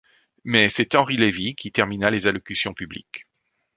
Mais c'est Henry Lévy qui termina les allocutions publiques.